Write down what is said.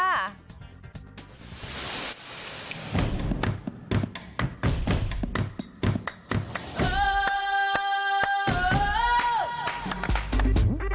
รสชีวิต